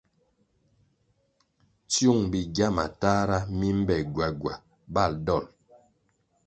Tsyung bigya matahra mi mbe gwagwa bal dol.